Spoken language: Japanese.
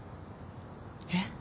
えっ？